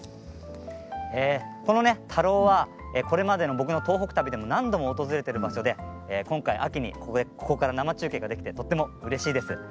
この田老はこれまでの僕の東北旅でも何度も訪れている場所で今回は秋にここから生中継できてとてもうれしいです。